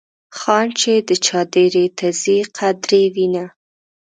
خان چې د چا دیرې ته ځي قدر یې وینه.